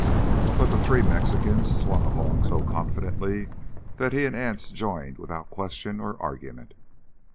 But the three Mexicans swung along so confidently that he and Anse joined without question or argument.